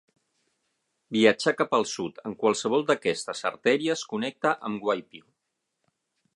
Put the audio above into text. Viatjar cap al sud en qualsevol d'aquestes artèries connecta amb Waipio.